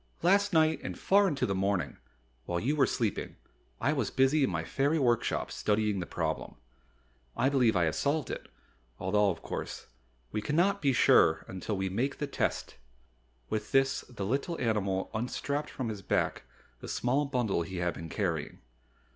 "Last night and far into the morning, while you were sleeping, I was busy in my fairy workshop, studying the problem. I believe I have solved it, although, of course, we cannot be quite sure until we make the test." With this the little animal unstrapped from his back the small bundle he had been carrying.